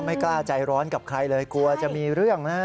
ไม่กล้าใจร้อนกับใครเลยกลัวจะมีเรื่องนะ